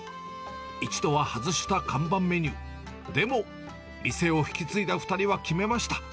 一度は外した看板メニュー、でも、店を引き継いだ２人は決めました。